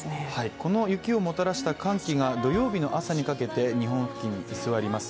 この雪をもたらした寒気が土曜日の朝にかけて日本付近に居座ります。